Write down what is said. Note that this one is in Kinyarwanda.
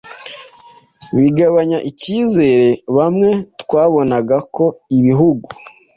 bigabanya ikizere bamwe twabonaga ko ibihugu